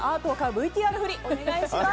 ＶＴＲフリお願いします。